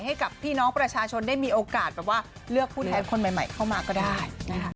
ให้กับพี่น้องประชาชนได้มีโอกาสแบบว่าเลือกผู้แทนคนใหม่เข้ามาก็ได้นะคะ